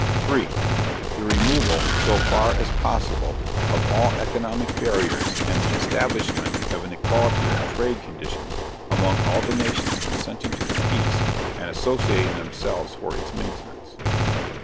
3. _The removal, so far as possible, of all economic barriers and the establishment of an equality of trade conditions among all the nations consenting to the peace and associating themselves for its maintenance.